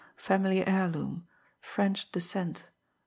family heirloom... French descent...